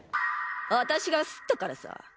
私がスッたからさ！